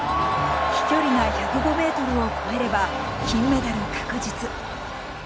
飛距離が１０５ｍを超えれば金メダル確実。